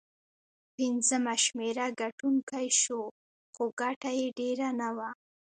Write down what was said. پنځمه شمېره ګټونکی شو، خو ګټه یې ډېره نه وه.